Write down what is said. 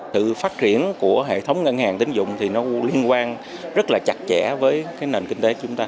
thực phát triển của hệ thống ngân hàng tiến dụng thì nó liên quan rất là chặt chẽ với nền kinh tế chúng ta